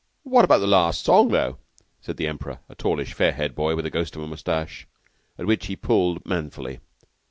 "What about the last song, though?" said the Emperor, a tallish, fair headed boy with a ghost of a mustache, at which he pulled manfully.